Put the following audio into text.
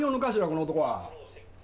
この男は。